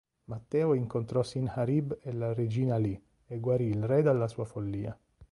Matteo incontrò Sinharib e la regina lì e guarì il re dalla sua follia.